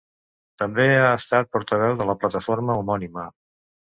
També ha estat portaveu de la plataforma homònima.